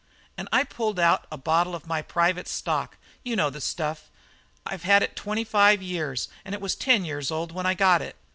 "And I pulled out a bottle of my private stock you know the stuff; I've had it twenty five years, and it was ten years old when I got it.